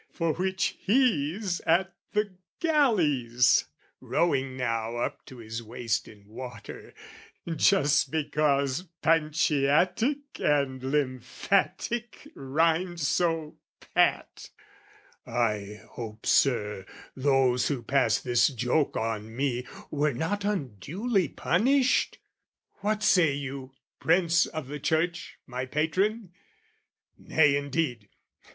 For which he's at the galleys, rowing now Up to his waist in water, just because Panciatic and lymphatic rhymed so pat: I hope, Sir, those who passed this joke on me Were not unduly punished? What say you, Prince of the Church, my patron? Nay, indeed!